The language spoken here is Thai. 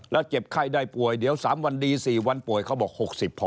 แล้วเจ็บไข้ได้ป่วยเดี๋ยว๓วันดี๔วันป่วยเขาบอก๖๐พอ